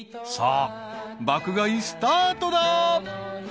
さあ爆買いスタートだ］